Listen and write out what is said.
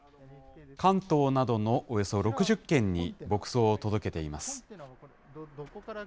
関東などのおよそ６０軒に、牧草を届けています。